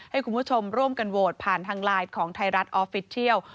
ให้คุณผู้ชมร่วมกันโหวตผ่านทางไลน์ของไทยรัฐออฟฟิศเทียล